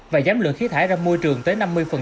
và giảm lượng khí thải ra môi trường tới năm mươi